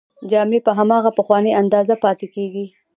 جامې په هماغه پخوانۍ اندازه پاتې کیږي.